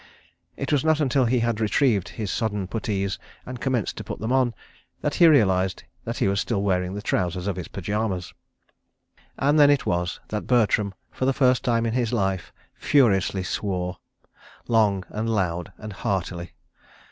... It was not until he had retrieved his sodden puttees and commenced to put them on, that he realised that he was still wearing the trousers of his pyjamas! And then it was that Bertram, for the first time in his life, furiously swore—long and loud and heartily.